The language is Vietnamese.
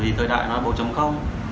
rồi thời đại nó bổ chấm không